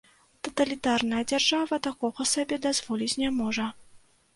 Таталітарная дзяржава такога сабе дазволіць не можа.